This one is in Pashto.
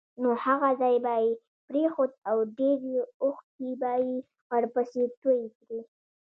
نو هغه ځای به یې پرېښود او ډېرې اوښکې به یې ورپسې تویې کړې.